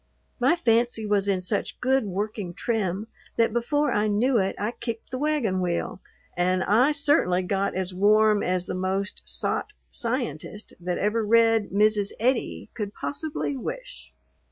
My fancy was in such good working trim that before I knew it I kicked the wagon wheel, and I certainly got as warm as the most "sot" Scientist that ever read Mrs. Eddy could possibly wish.